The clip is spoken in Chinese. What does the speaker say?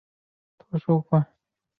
总部位于圣彼得堡。